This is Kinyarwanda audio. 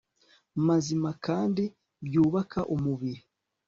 mazima kandi byubaka umubiri